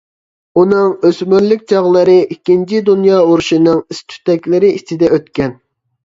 ئۇنىڭ ئۆسمۈرلۈك چاغلىرى ئىككىنچى دۇنيا ئۇرۇشىنىڭ ئىس-تۈتەكلىرى ئىچىدە ئۆتكەن.